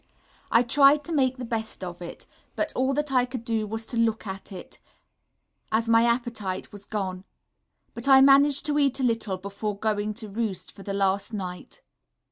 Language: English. I tried to make the best of it, but all that I could do was to look at it, as my appetite was gone; but I managed to eat a little before going to roost for the last night....